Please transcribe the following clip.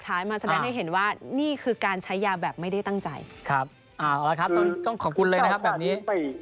แต่ว่าลงขนาดโหดนี่เป็นกับฉันน่ะครับลงโทษเนี่ย